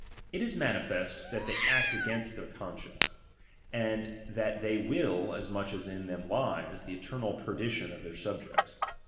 It is manifest that they act against their conscience ; and that they will, as much as in them lies, the eternal perdition of their subjects.